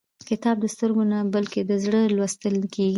کتاب د سترګو نه، بلکې د زړه لوستل کېږي.